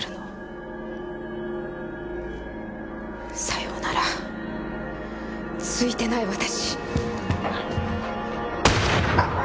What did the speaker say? さようならツイてない私。